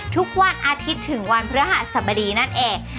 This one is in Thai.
ทุกวันอาทิตย์ถึงวันพระหัสบดีนั่นเอง